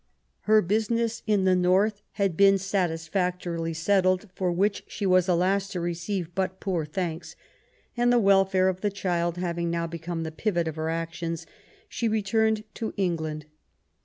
Her business in the North had been satisfactorily settled, for which she was, alas I to receive but poor thanks ; and the welfare of the child having now become the pivot of her actions, she returned to Eng land.